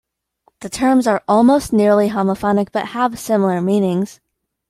The terms are almost nearly homophonic but have similar meanings.